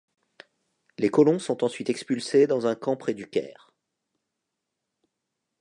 Les colons sont ensuite expulsés dans un camp près du Caire.